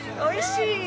おいしい！